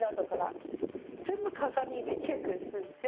全部鏡でチェックするんですよ。